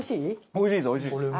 おいしいですおいしいです。